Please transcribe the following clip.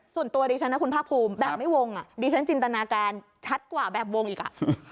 ส่วนตัวดิฉันนะคุณภาคภูมิแบบไม่วงอ่ะดิฉันจินตนาการชัดกว่าแบบวงอีกอ่ะ